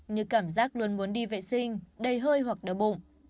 như cảm giác luôn muốn đi vệ sinh đầy hơi hoặc đau bụng